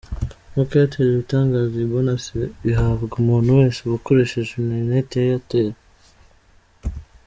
Nk’uko Airtel ibitangaza, iyi Bonus ihabwa umuntu wese wakoresheje interineti ya Airtel.